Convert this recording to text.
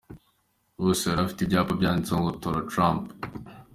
Bose bari bafite ibyapa byanditseho ngo “ Tora Trump”.